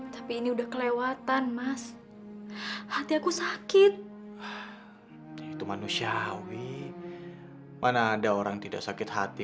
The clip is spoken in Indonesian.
tapi ini udah kelewatan mas hati aku sakit itu manusiawi mana ada orang tidak sakit hati